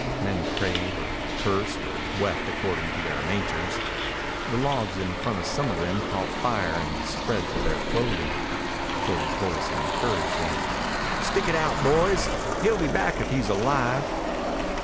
Men prayed or cursed or wept, according to their natures. The logs in front of some of them caught fire and spread to their clothing. Shorty's voice encouraged them. "Stick it out, boys. He'll be back if he's alive."